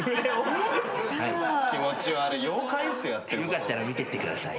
よかったら見てってください。